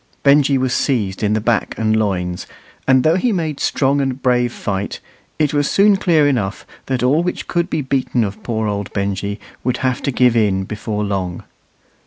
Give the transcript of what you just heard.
Benjy was seized in the back and loins; and though he made strong and brave fight, it was soon clear enough that all which could be beaten of poor old Benjy would have to give in before long.